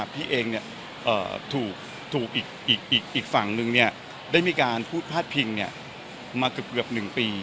พี่เองถูกอีกฝั่งหนึ่งได้มีการพูดพาดพิงมาเกือบ๑ปี